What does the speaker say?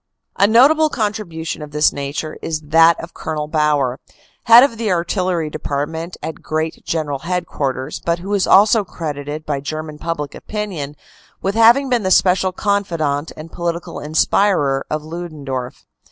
A notable contribution of this nature is that of Col. Bauer, head of the artillery department at Great General Head quarters, but who is also credited by German public opinion with having been the special confidant and political inspirer of Ludendorff.